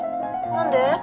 何で？